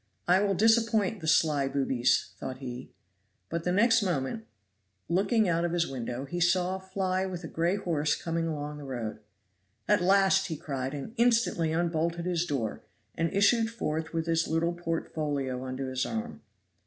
I will disappoint the sly boobies, thought he. But the next moment, looking out of his window, he saw a fly with a gray horse coming along the road. "At last," he cried, and instantly unbolted his door, and issued forth with his little portfolio under his arm.